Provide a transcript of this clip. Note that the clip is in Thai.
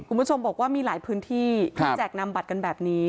คุณผู้ชมบอกว่ามีหลายพื้นที่ที่แจกนำบัตรกันแบบนี้